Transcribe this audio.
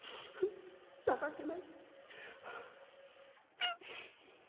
情けない」。